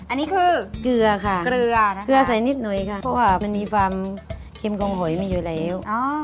อันนี้คือเกลือค่ะเกลือเกลือใส่นิดหน่อยค่ะเพราะว่ามันมีความเค็มของหอยมีอยู่แล้ว